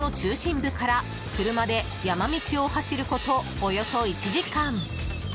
高知市の中心部から車で山道を走ることおよそ１時間。